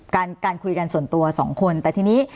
การการคุยกันส่วนตัวสองคนแต่ทีนี้